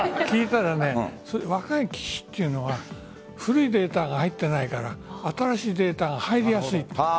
若い棋士というのは古いデータが入っていないから新しいデータが入りやすいって。